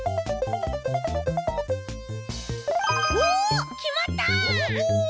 おおきまった！